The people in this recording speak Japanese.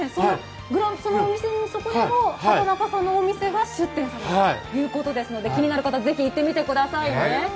そこにも畑中さんのお店が出店されるということですので気になる方はぜひ行ってみてくださいね。